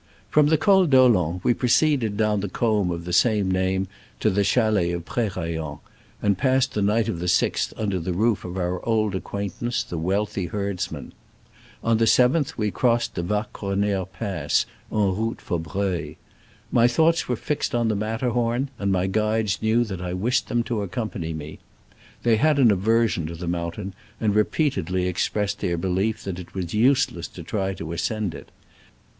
From the Col d'Olen we proceeded down the combe of the same name to the chalets of Prerayen, and passed the night of the 6th under the roof of our old acquaintance, the wealthy herds man. On the 7th we crossed the Va Cornere Pass, en route for Breuil. My thoughts were fixed on the Matterhorn, and my guides knew that I wished them to accompany me. They had an aver sion to the mountain, and repeatedly expressed their belief that it was useless to try to ascend it.